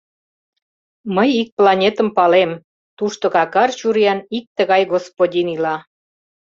— Мый ик планетым палем, тушто какар чуриян ик тыгай господин ила.